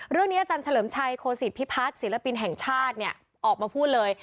เรื่องนี้อาจารย์เฉลิมชัยโครสิทธิ์พิพัฒน์ศิลปินแห่งชาติเนี่ยออกมาพูดเลย